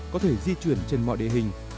có thể di chuyển trên mọi địa hình